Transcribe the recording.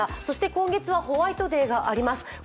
そして今月はホワイトデーがあります。